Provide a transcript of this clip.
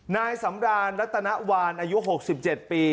นายสำรานรัตนวานอายุ๖๗ปี